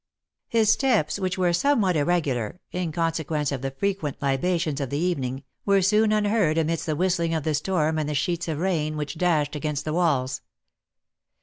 His steps, which were somewhat irregular, in consequence of the frequent libations of the evening, were soon unheard amidst the whistling of the storm and the sheets of rain which dashed against the walls.